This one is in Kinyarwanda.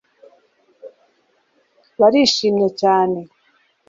barishimye cyane